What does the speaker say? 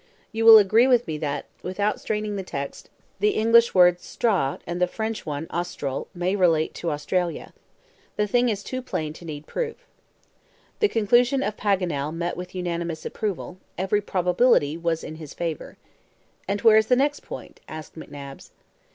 You will agree with me that, without straining the text, the English word STRA and the French one AUSTRAL may relate to Australia. The thing is too plain to need proof." The conclusion of Paganel met with unanimous approval; every probability was in his favor. "And where is the next point?" asked McNabbs.